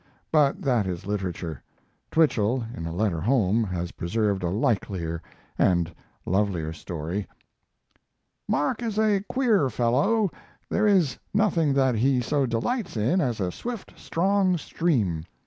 But that is literature. Twichell, in a letter home, has preserved a likelier and lovelier story: Mark is a queer fellow. There is nothing that he so delights in as a swift, strong stream.